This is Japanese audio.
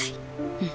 うん。